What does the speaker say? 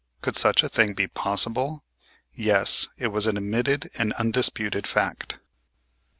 Could such a thing be possible? Yes, it was an admitted and undisputed fact.